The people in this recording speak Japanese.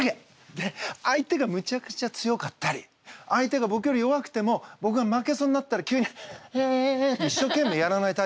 で相手がむちゃくちゃ強かったり相手がぼくより弱くてもぼくが負けそうになったら急にへって一生懸命やらない態度を取ったりしたわけ。